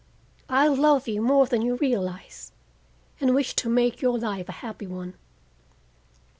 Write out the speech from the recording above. I love you more than you realize, and wish to make your life a happy one.